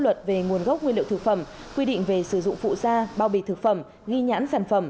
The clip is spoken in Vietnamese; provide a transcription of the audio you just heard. luật về nguồn gốc nguyên liệu thực phẩm quy định về sử dụng phụ gia bao bì thực phẩm ghi nhãn sản phẩm